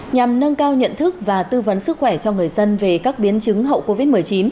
nhằm nâng cao nhận thức và tư vấn sức khỏe cho người dân về các biến chứng hậu covid một mươi chín